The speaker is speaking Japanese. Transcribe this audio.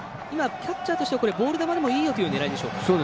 キャッチャーとしてはボール球でもいいよという狙いでしょうか。